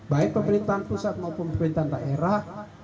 baik pemerintahan pusat maupun pemerintahan daerah